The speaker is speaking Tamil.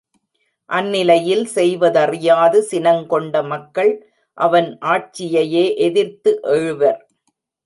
அந்நிலையில், செய்வதறியாது சினங் கொண்ட மக்கள் அவன் ஆட்சியையே எதிர்த்து எழுவர்.